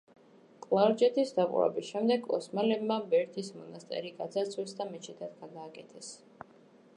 კლარჯეთის დაპყრობის შემდეგ ოსმალებმა ბერთის მონასტერი გაძარცვეს და მეჩეთად გადააკეთეს.